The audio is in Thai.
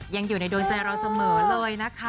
ยังอยู่ในดวงใจเราเสมอเลยนะคะ